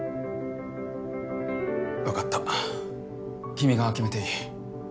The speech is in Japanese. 分かった君が決めていい。